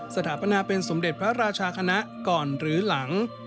สถาปนาเป็นสมเด็จพระราชาคณะก่อนหรือหลัง